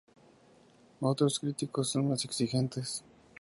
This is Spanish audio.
Otros críticos son más exigentes.